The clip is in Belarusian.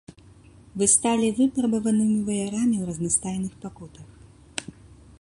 Вы сталі выпрабаванымі ваярамі ў разнастайных пакутах.